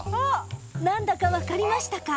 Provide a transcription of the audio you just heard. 何だか分かりましたか？